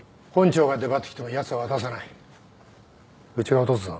うちが落とすぞ。